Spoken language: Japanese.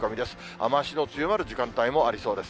雨足の強まる時間帯もありそうです。